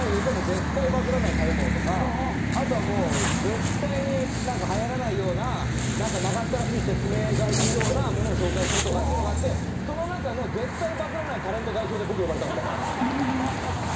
絶対バズらない食べ物とかあとはもう絶対に何かはやらないような長ったらしい説明がいるようなものを紹介するとかっていうのがあってその中の絶対バズらないタレント代表で僕呼ばれたんすよ。